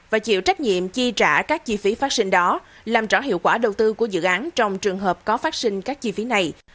và chịu trách nhiệm chi trả các chi phí phát sinh đó làm rõ hiệu quả đầu tư của dự án trong trường hợp có phát sinh các chi phí này